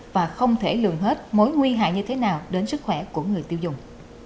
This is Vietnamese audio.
và không thể lường hết mối nguy hại như thế nào đến sức khỏe của người tiêu dùng